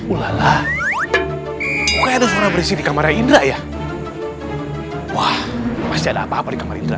ulalah bukan itu suara berisi di kamarnya indra ya wah masih ada apa apa di kamar indra